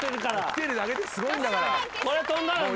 きてるだけですごいんだから。